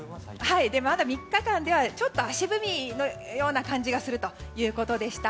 まだ３日間では、ちょっと足踏みのような感じがするということでした。